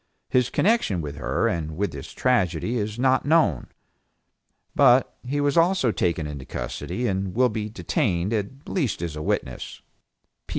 His connection with her and with this tragedy is not known, but he was also taken into custody, and will be detained at least as a witness.